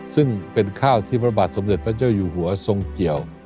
ซึ่งเป็นข้าวที่พระบาทสมเด็จพระเจ้าอยู่หัวทรงเกี่ยว